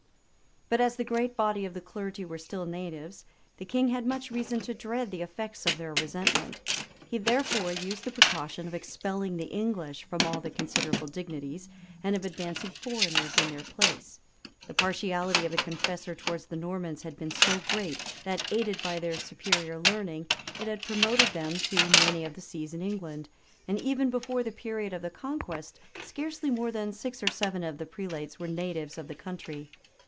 But as the great body of the clergy were still natives, the king had much reason to dread the effects of their resentment; he therefore used the precaution of expelling the English from all the considerable dignities, and of advancing foreigners in their place. The partiality of the Confessor towards the Normans had been so great, that, aided by their superior learning, it had promoted them to many of the sees in England; and even before the period of the conquest, scarcely more than six or seven of the prelates were natives of the country.